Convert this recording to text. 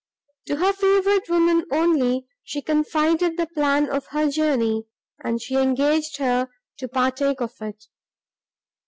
To her favourite woman only she confided the plan of her journey, and she engaged her to partake of it.